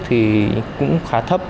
thì cũng khá thấp